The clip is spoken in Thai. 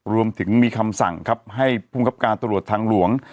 รวมถึงมีคำสั่งครับให้ภูมิครับการตรวจทางหลวง